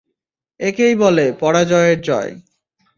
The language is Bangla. একেই বলে, পরাজয়ের জয়।